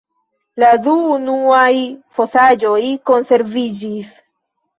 La du unuaj fosaĵoj konserviĝis.